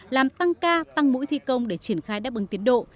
làm tăng ca tăng mũi thi công để triển khai đáp ứng tiến độ